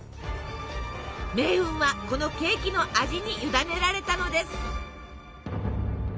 命運はこのケーキの味に委ねられたのです。